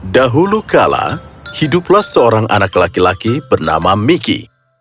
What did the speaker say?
dahulu kala hiduplah seorang anak laki laki bernama miki